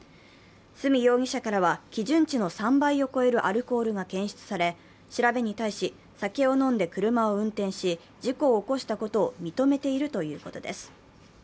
角容疑者からは、基準値の３倍を超えるアルコールが検出され調べに対し、酒を飲んで車を運転し事故を起こしたことを認めているということです。